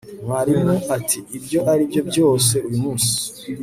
Mwarimu ati Ibyo aribyo byose uyu munsi